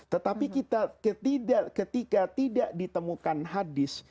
tetapi ketika tidak ditemukan hadis